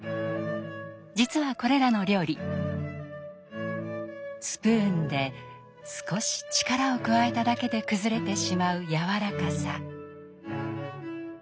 実はこれらの料理スプーンで少し力を加えただけで崩れてしまうやわらかさ。